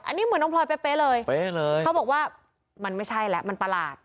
อันนี้เหมือนน้องพลอยเป๊ะเลยเป๊ะเลยเขาบอกว่ามันไม่ใช่แหละมันประหลาด